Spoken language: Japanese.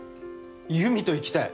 優美と行きたい！